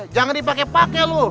jangan dipake pake lu